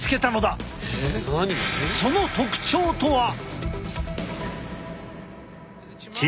その特徴とは！？